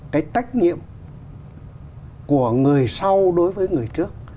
cái trách nhiệm của người sau đối với người trước